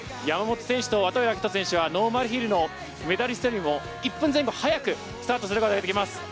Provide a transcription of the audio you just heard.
山本選手と渡部暁斗選手はノーマルヒルのメダリストよりも１分前後早くスタートすることができます。